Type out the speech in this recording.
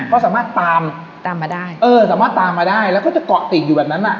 ก็สามารถตามตามมาได้เออสามารถตามมาได้แล้วก็จะเกาะติดอยู่แบบนั้นอ่ะ